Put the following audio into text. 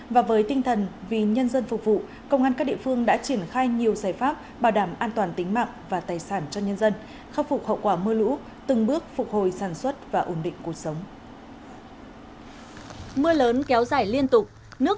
và với tinh thần vì nhân dân phục vụ công an các địa phương đã triển khai nhiều giải pháp bảo đảm an toàn tính mạng và tài sản cho nhân dân khắc phục hậu quả mưa lũ từng bước phục hồi sản xuất và ổn định cuộc sống